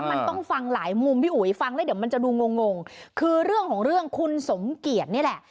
มันต้องฟังหลายมุมพี่อุ๋ยฟังแล้วเดี๋ยวมันจะดูงงงคือเรื่องของเรื่องคุณสมเกียจนี่แหละ